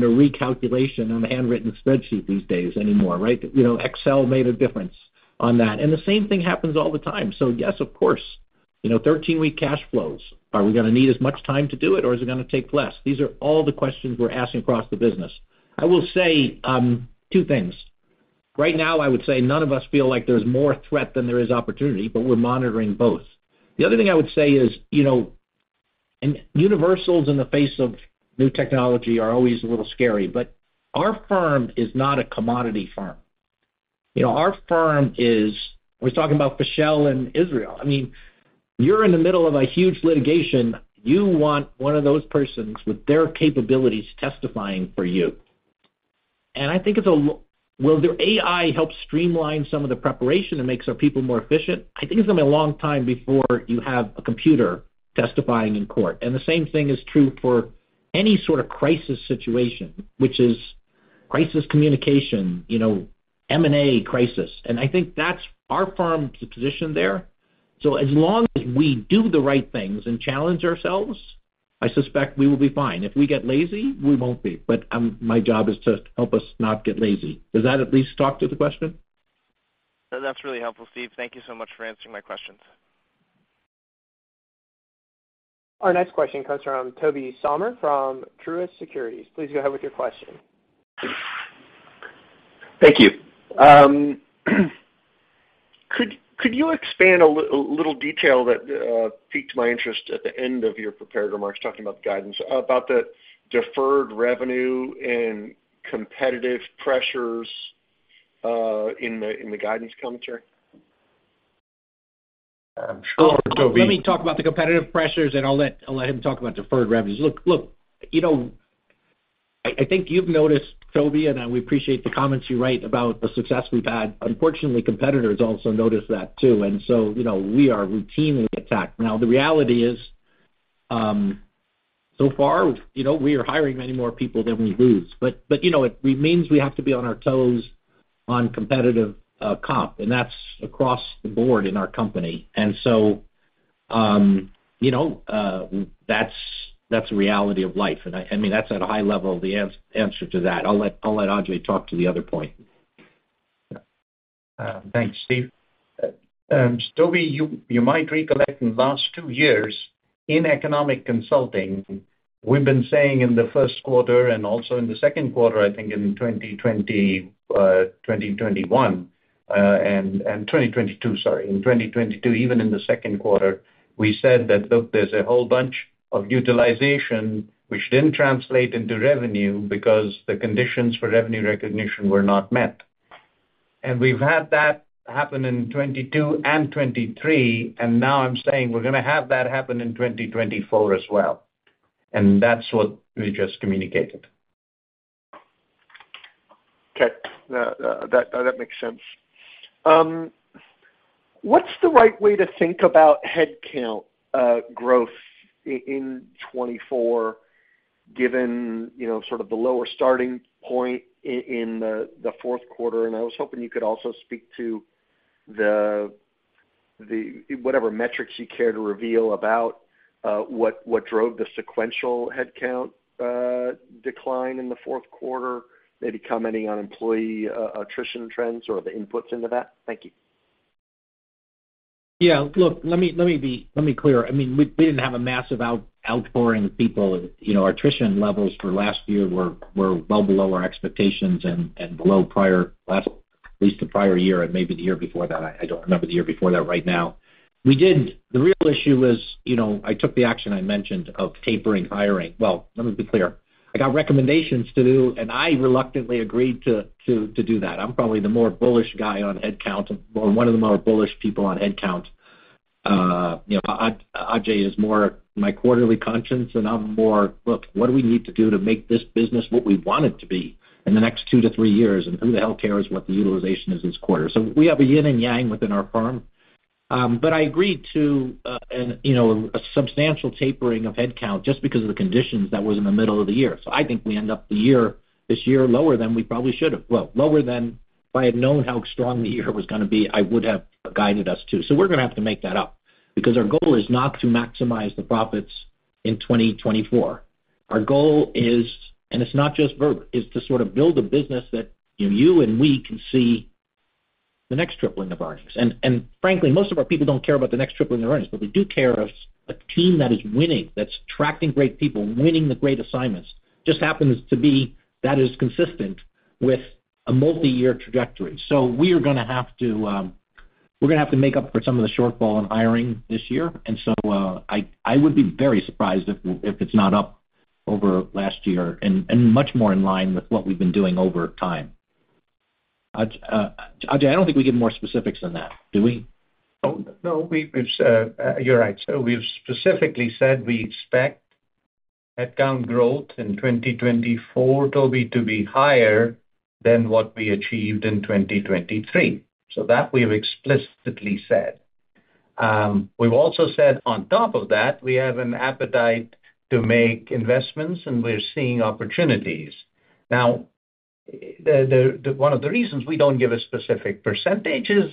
recalculation on a handwritten spreadsheet these days anymore, right? Excel made a difference on that. And the same thing happens all the time. So yes, of course, 13-week cash flows. Are we going to need as much time to do it, or is it going to take less? These are all the questions we're asking across the business. I will say two things. Right now, I would say none of us feel like there's more threat than there is opportunity, but we're monitoring both. The other thing I would say is universals in the face of new Technology are always a little scary, but our firm is not a commodity firm. Our firm is, we're talking about Fischel and Israel. I mean, you're in the middle of a huge litigation. You want one of those persons with their capabilities testifying for you. And I think it's a will their AI help streamline some of the preparation and makes our people more efficient? I think it's going to be a long time before you have a computer testifying in court. And the same thing is true for any sort of crisis situation, which is crisis communication, M&A crisis. I think that's our firm's position there. As long as we do the right things and challenge ourselves, I suspect we will be fine. If we get lazy, we won't be. But my job is to help us not get lazy. Does that at least talk to the question? That's really helpful, Steve. Thank you so much for answering my questions. Our next question comes from Tobey Sommer from Truist Securities. Please go ahead with your question. Thank you. Could you expand a little detail that piqued my interest at the end of your prepared remarks, talking about the guidance, about the deferred revenue and competitive pressures in the guidance commentary? Sure, Tobey. Let me talk about the competitive pressures, and I'll let him talk about deferred revenues. Look, I think you've noticed, Tobey, and we appreciate the comments you write about the success we've had. Unfortunately, competitors also notice that too. And so we are routinely attacked. Now, the reality is, so far, we are hiring many more people than we lose. But it remains we have to be on our toes on competitive comp, and that's across the board in our company. And so that's a reality of life. And I mean, that's at a high level the answer to that. I'll let Ajay talk to the other point. Thanks, Steve. Tobey, you might recollect in the last two years, in Economic Consulting, we've been saying in the first quarter and also in the second quarter, I think in 2021 and 2022, sorry, in 2022, even in the second quarter, we said that, "Look, there's a whole bunch of utilization which didn't translate into revenue because the conditions for revenue recognition were not met." We've had that happen in 2022 and 2023, and now I'm saying we're going to have that happen in 2024 as well. That's what we just communicated. Okay. That makes sense. What's the right way to think about headcount growth in 2024 given sort of the lower starting point in the fourth quarter? I was hoping you could also speak to whatever metrics you care to reveal about what drove the sequential headcount decline in the fourth quarter, maybe commenting on employee attrition trends or the inputs into that? Thank you. Yeah. Look, let me be clear. I mean, we didn't have a massive outpouring of people. Our attrition levels for last year were well below our expectations and below prior, at least the prior year and maybe the year before that. I don't remember the year before that right now. The real issue was I took the action I mentioned of tapering hiring. Well, let me be clear. I got recommendations to do, and I reluctantly agreed to do that. I'm probably the more bullish guy on headcount or one of the more bullish people on headcount. Ajay is more my quarterly conscience, and I'm more, "Look, what do we need to do to make this business what we want it to be in the next 2-3 years, and who the hell cares what the utilization is this quarter?" So we have a yin and yang within our firm. But I agreed to a substantial tapering of headcount just because of the conditions that was in the middle of the year. So I think we end up this year lower than we probably should have. Well, lower than if I had known how strong the year was going to be, I would have guided us too. So we're going to have to make that up because our goal is not to maximize the profits in 2024. Our goal is, and it's not just verbal, to sort of build a business that you and we can see the next tripling of earnings. And frankly, most of our people don't care about the next tripling of earnings, but we do care about a team that is winning, that's attracting great people, winning the great assignments. It just happens to be that that is consistent with a multi-year trajectory. So we're going to have to make up for some of the shortfall in hiring this year. And so I would be very surprised if it's not up over last year and much more in line with what we've been doing over time. Ajay, I don't think we get more specifics than that, do we? No, no. You're right, sir. We've specifically said we expect headcount growth in 2024, Toby, to be higher than what we achieved in 2023. So that we have explicitly said. We've also said, on top of that, we have an appetite to make investments, and we're seeing opportunities. Now, one of the reasons we don't give a specific percentage is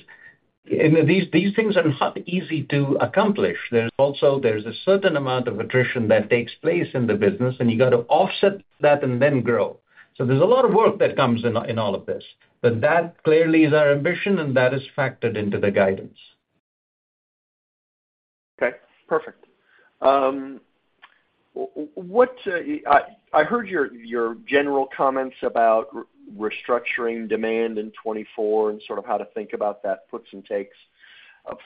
these things are not easy to accomplish. Also, there's a certain amount of attrition that takes place in the business, and you got to offset that and then grow. So there's a lot of work that comes in all of this. But that clearly is our ambition, and that is factored into the guidance. Okay. Perfect. I heard your general comments about restructuring demand in 2024 and sort of how to think about that puts and takes.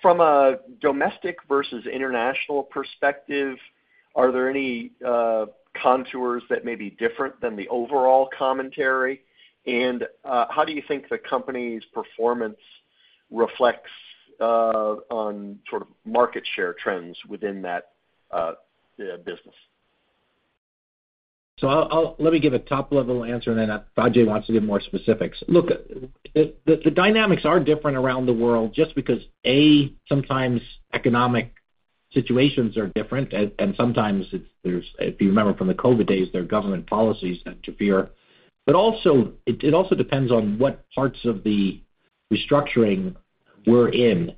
From a domestic versus international perspective, are there any contours that may be different than the overall commentary? And how do you think the company's performance reflects on sort of market share trends within that business? So let me give a top-level answer, and then Ajay wants to get more specifics. Look, the dynamics are different around the world just because, A, sometimes economic situations are different, and sometimes if you remember from the COVID days, there are government policies that interfere. It also depends on what parts of the restructuring we're in.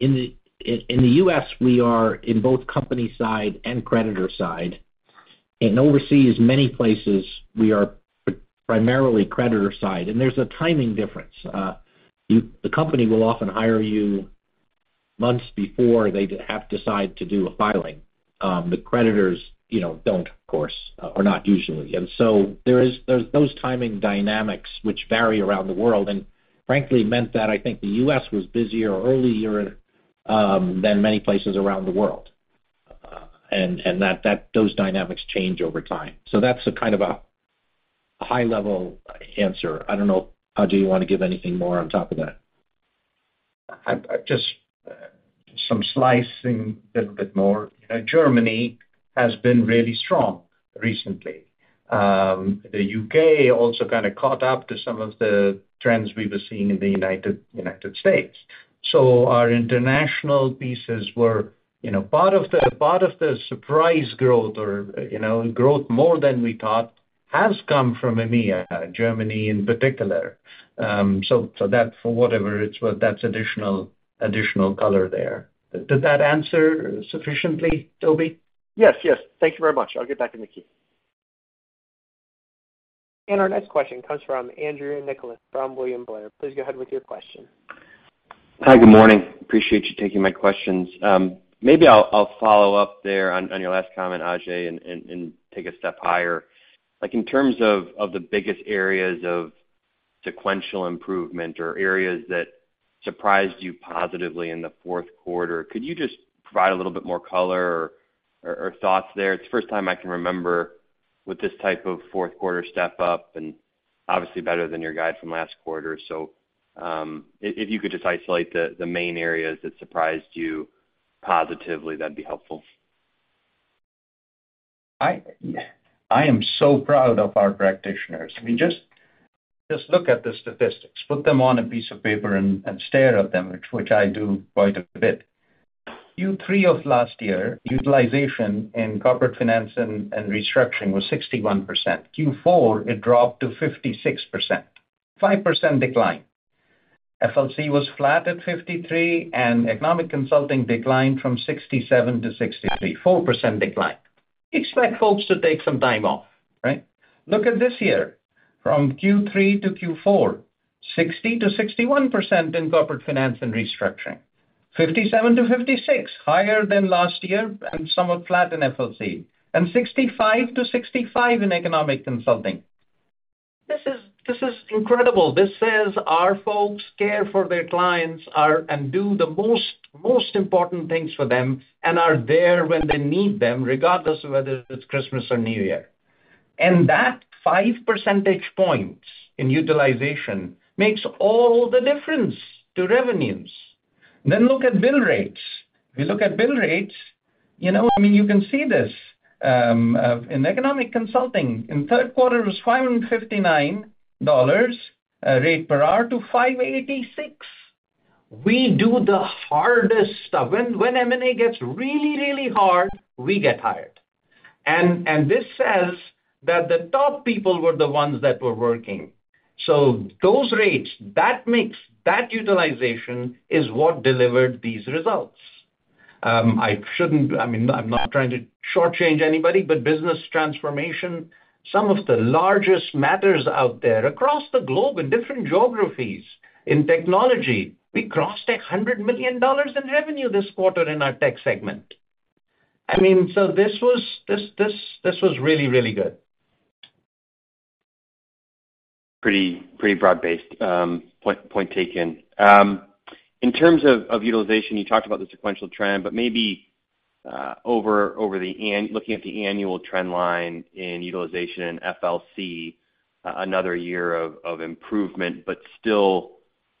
In the U.S., we are in both company side and creditor side. Overseas, many places, we are primarily creditor side. There's a timing difference. The company will often hire you months before they have to decide to do a filing. The creditors don't, of course, or not usually. So there's those timing dynamics which vary around the world and frankly meant that I think the U.S. was busier early year than many places around the world. Those dynamics change over time. That's a kind of a high-level answer. I don't know, Ajay, you want to give anything more on top of that? Just some slicing, a little bit more. Germany has been really strong recently. The U.K. also kind of caught up to some of the trends we were seeing in the United States. So our international pieces were part of the surprise growth or growth more than we thought has come from EMEA, Germany in particular. So for whatever it's worth, that's additional color there. Did that answer sufficiently, Toby? Yes, yes. Thank you very much. I'll get back to Nikki. Our next question comes from Andrew Nicholas from William Blair. Please go ahead with your question. Hi. Good morning. Appreciate you taking my questions. Maybe I'll follow up there on your last comment, Ajay, and take a step higher. In terms of the biggest areas of sequential improvement or areas that surprised you positively in the fourth quarter, could you just provide a little bit more color or thoughts there? It's the first time I can remember with this type of fourth-quarter step-up and obviously better than your guide from last quarter. So if you could just isolate the main areas that surprised you positively, that'd be helpful. I am so proud of our practitioners. Just look at the statistics. Put them on a piece of paper and stare at them, which I do quite a bit. Q3 of last year, utilization in Corporate Finance and Restructuring was 61%. Q4, it dropped to 56%, 5% decline. FLC was flat at 53%, and Economic Consulting declined from 67% to 63%, 4% decline. Expect folks to take some time off, right? Look at this year. From Q3 to Q4, 60%-61% in Corporate Finance and Restructuring, 57%-56%, higher than last year and somewhat flat in FLC, and 65%-65% in Economic Consulting. This is incredible. This says our folks care for their clients and do the most important things for them and are there when they need them regardless of whether it's Christmas or New Year. That 5 percentage point in utilization makes all the difference to revenues. Then look at bill rates. If you look at bill rates, I mean, you can see this. In Economic Consulting, in third quarter, it was a $559-$586 rate per hour. We do the hardest stuff. When M&A gets really, really hard, we get hired. And this says that the top people were the ones that were working. So those rates, that utilization is what delivered these results. I mean, I'm not trying to shortchange anybody, but business transformation, some of the largest matters out there across the globe in different geographies, in Technology, we crossed $100 million in revenue this quarter in our tech segment. I mean, so this was really, really good. Pretty broad-based point taken. In terms of utilization, you talked about the sequential trend, but maybe over the looking at the annual trendline in utilization in FLC, another year of improvement but still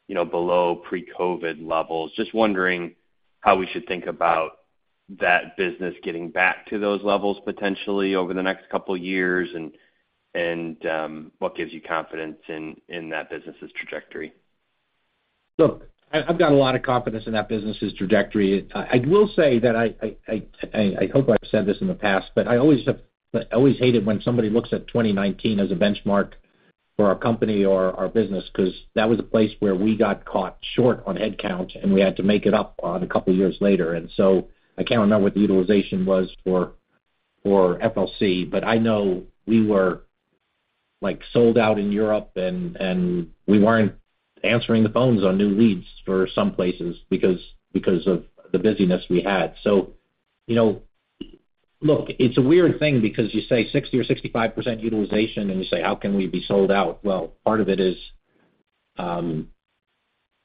below pre-COVID levels. Just wondering how we should think about that business getting back to those levels potentially over the next couple of years and what gives you confidence in that business's trajectory? Look, I've got a lot of confidence in that business's trajectory. I will say that I hope I've said this in the past, but I always hate it when somebody looks at 2019 as a benchmark for our company or our business because that was a place where we got caught short on headcount, and we had to make it up a couple of years later. And so I can't remember what the utilization was for FLC, but I know we were sold out in Europe, and we weren't answering the phones on new leads for some places because of the busyness we had. So look, it's a weird thing because you say 60%-65% utilization, and you say, "How can we be sold out?" Well, part of it is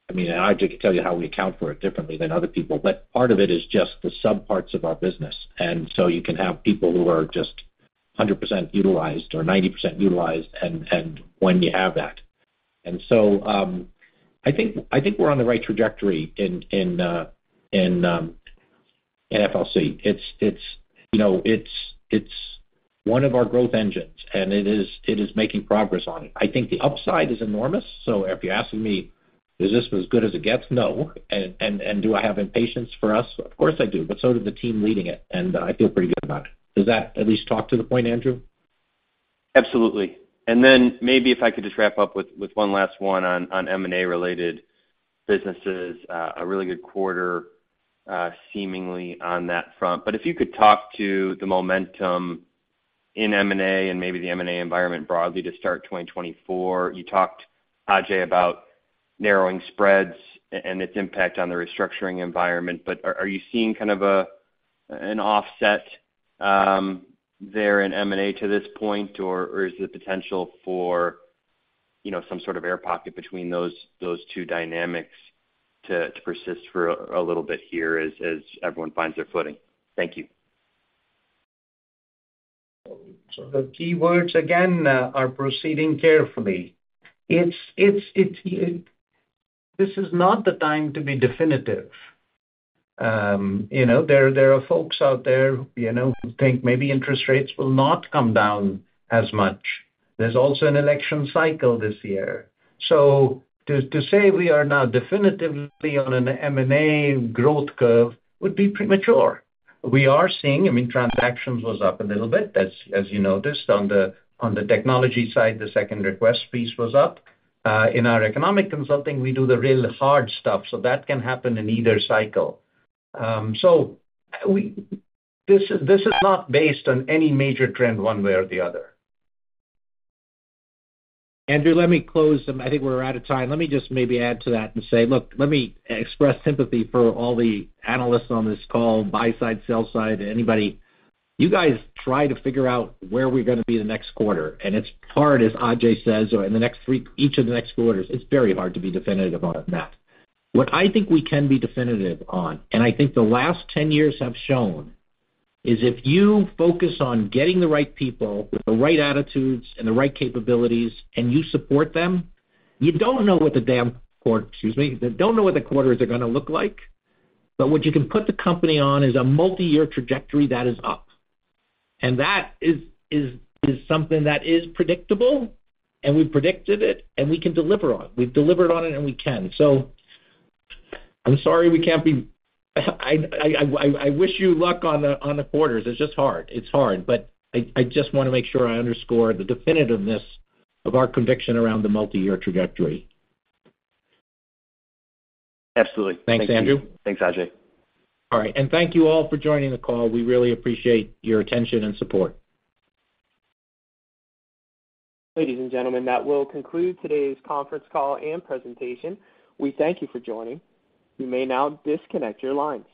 I mean, Ajay could tell you how we account for it differently than other people, but part of it is just the subparts of our business. And so you can have people who are just 100% utilized or 90% utilized when you have that. And so I think we're on the right trajectory in FLC. It's one of our growth engines, and it is making progress on it. I think the upside is enormous. So if you're asking me, "Is this as good as it gets?" No. And do I have impatience for us? Of course, I do, but so does the team leading it. And I feel pretty good about it. Does that at least talk to the point, Andrew? Absolutely. And then maybe if I could just wrap up with one last one on M&A-related businesses, a really good quarter seemingly on that front. But if you could talk to the momentum in M&A and maybe the M&A environment broadly to start 2024, you talked, Ajay, about narrowing spreads and its impact on the restructuring environment. But are you seeing kind of an offset there in M&A to this point, or is there potential for some sort of air pocket between those two dynamics to persist for a little bit here as everyone finds their footing? Thank you. So the keywords, again, are proceeding carefully. This is not the time to be definitive. There are folks out there who think maybe interest rates will not come down as much. There's also an election cycle this year. So to say we are now definitively on an M&A growth curve would be premature. We are seeing, I mean, transactions was up a little bit, as you noticed. On the Technology side, the Second Request piece was up. In our Economic Consulting, we do the real hard stuff. So that can happen in either cycle. So this is not based on any major trend one way or the other. Andrew, let me close them. I think we're out of time. Let me just maybe add to that and say, "Look, let me express sympathy for all the analysts on this call, buy side, sell side, anybody. You guys try to figure out where we're going to be the next quarter." It's hard, as Ajay says, in each of the next quarters. It's very hard to be definitive on that. What I think we can be definitive on, and I think the last 10 years have shown, is if you focus on getting the right people with the right attitudes and the right capabilities and you support them, you don't know what the damn quarter, excuse me. You don't know what the quarters are going to look like. But what you can put the company on is a multi-year trajectory that is up. And that is something that is predictable, and we've predicted it, and we can deliver on it. We've delivered on it, and we can. So, I'm sorry we can't be. I wish you luck on the quarters. It's just hard. It's hard. But I just want to make sure I underscore the definitiveness of our conviction around the multi-year trajectory. Absolutely. Thank you. Thanks, Andrew. Thanks, Ajay. All right. Thank you all for joining the call. We really appreciate your attention and support. Ladies and gentlemen, that will conclude today's conference call and presentation. We thank you for joining. You may now disconnect your lines.